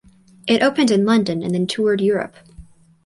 It opened in London and then toured Europe.